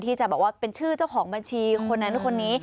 ที่จะบอกว่าเป็นชื่อเจ้าของบัญชีคนนั้นคนนี้